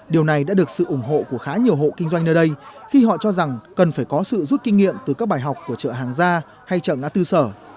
điều này đã được sự ủng hộ của khá nhiều hộ kinh doanh nơi đây khi họ cho rằng cần phải có sự rút kinh nghiệm từ các bài học của chợ hàng gia hay chợ ngã tư sở